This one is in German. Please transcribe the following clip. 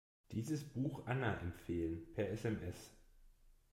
Dieses Buch Anna empfehlen, per SMS.